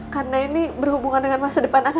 karena ini berhubungan dengan masa depan anak saya